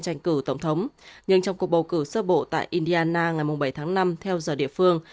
tranh cử tổng thống nhưng trong cuộc bầu cử sơ bộ tại indiana ngày bảy tháng năm theo giờ địa phương